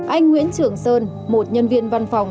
anh nguyễn trường sơn một nhân viên văn phòng